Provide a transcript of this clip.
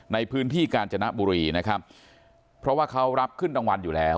ในพื้นที่กาญจนบุรีนะครับเพราะว่าเขารับขึ้นรางวัลอยู่แล้ว